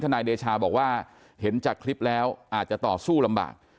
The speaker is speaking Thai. นายเดชาบอกว่าเห็นจากคลิปแล้วอาจจะต่อสู้ลำบาก